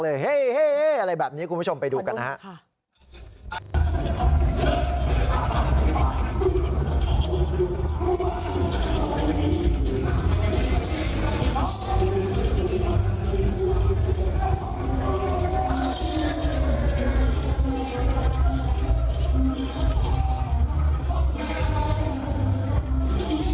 เฮ้ยเฮ้ยเฮ้ยอะไรแบบนี้คุณผู้ชมไปดูกันนะฮะ